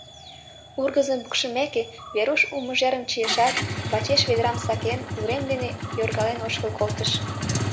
Ургызым пукшымеке, Веруш у мыжерым чийышат, вачеш ведрам сакен, урем дене йоргален ошкыл колтыш.